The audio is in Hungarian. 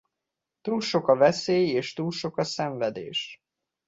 Túl sok a veszély és túl sok a szenvedés.